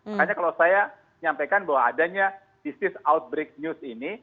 makanya kalau saya menyampaikan bahwa adanya disease outbreak news ini